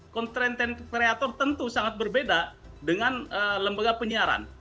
konten kreator tentu sangat berbeda dengan lembaga penyiaran